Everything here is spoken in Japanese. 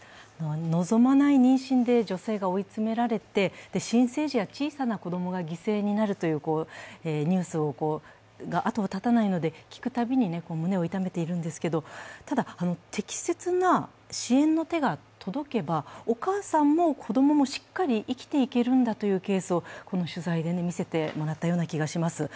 望まない妊娠で女性が追い詰められて新生児や小さな子供が犠牲になるというニュースが後を絶たないので、聞くたびに胸を痛めているんですけれども、ただ、適切な支援の手が届けば、お母さんも子供もしっかり生きていけるんだというケースをこの取材で見せてもらったような気がします。